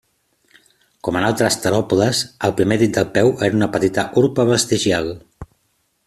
Com en altres teròpodes, el primer dit del peu era una petita urpa vestigial.